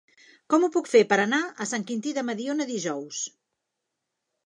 Com ho puc fer per anar a Sant Quintí de Mediona dijous?